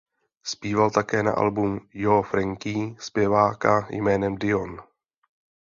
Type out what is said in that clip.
Zpíval také na albu "Yo Frankie" zpěváka jménem Dion.